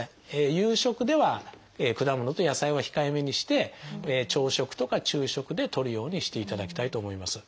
夕食では果物と野菜は控えめにして朝食とか昼食でとるようにしていただきたいと思います。